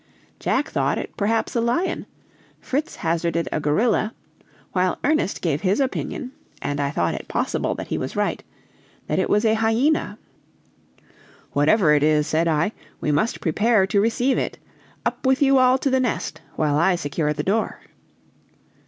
Jack thought it perhaps a lion, Fritz hazarded a gorilla, while Ernest gave it as his opinion, and I thought it possible that he was right, that it was a hyena. "Whatever it is," said I, "we must prepare to receive it; up with you all to the nest while I secure the door."